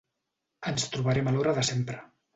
Ens trobarem a l'hora de sempre.